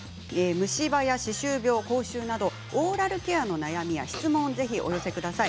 虫歯や歯周病、口臭などオーラルケアの悩みや質問をぜひお寄せください。